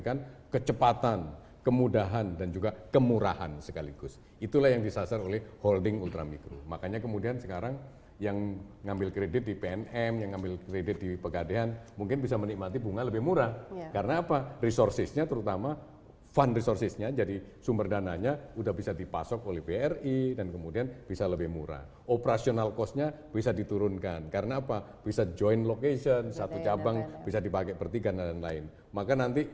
kita bisa menghadirkan kecepatan kemudahan dan juga kemurahan sekaligus itulah yang disasar oleh holding ultramikro makanya kemudian sekarang yang ngambil kredit di pnm yang ngambil kredit di pegadehan mungkin bisa menikmati bunga lebih murah karena apa resourcesnya terutama fund resourcesnya jadi sumber dananya udah bisa dipasok oleh bri dan kemudian bisa lebih murah operasional costnya bisa diturunkan karena apa bisa join location satu cabang bisa dipakai bertiga dan lain lain